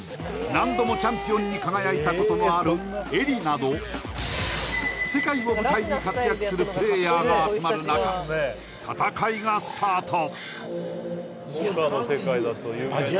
何度もチャンピオンに輝いたことのあるエリなど世界を舞台に活躍するプレイヤーが集まるなか戦いがスタート